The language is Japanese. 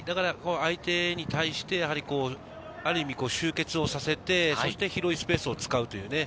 相手に対して集結をさせて、そして広いスペースを使うという。